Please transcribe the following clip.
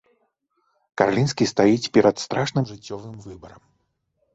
Карлінскі стаіць перад страшным жыццёвым выбарам.